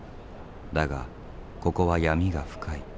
だがここは闇が深い。